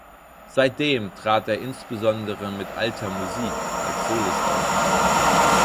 Seitdem trat er insbesondere mit „Alter Musik“ als Solist auf.